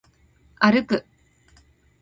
歩く